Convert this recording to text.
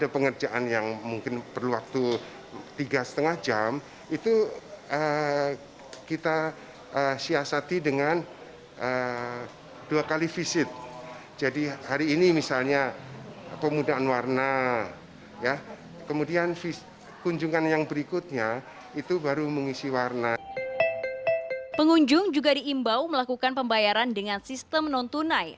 pengunjung juga diimbau melakukan pembayaran dengan sistem non tunai